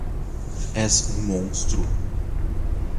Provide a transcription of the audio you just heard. És um monstro